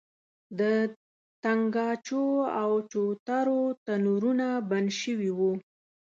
د تنګاچو او چوترو تنورونه بند شوي وو.